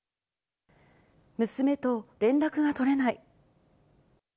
娘と連絡が取れない。